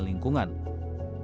tapi juga penyelenggaraan lingkungan